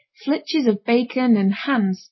Flitches of bacon and 'hands' (_i.